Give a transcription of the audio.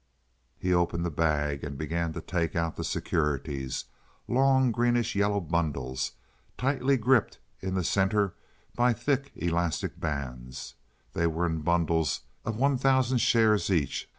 He opened the bag and began to take out the securities—long greenish yellow bundles, tightly gripped in the center by thick elastic bands. They were in bundles of one thousand shares each.